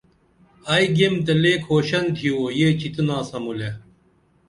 ائی گیم تے لے کھوشن تِھیو یہ چِتِنا سمولے